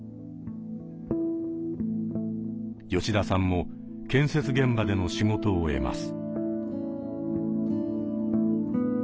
吉田さんも建設現場での仕事を得ます。